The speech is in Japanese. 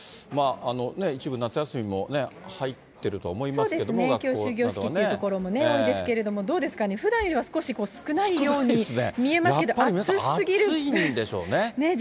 一部夏休みにも入ってるとは思いますけども、そうですね、きょう終業式っていうところも多いですけれども、どうですかね、ふだんよりは少し少ないように見えますけど、皆さん暑いんでしょうね。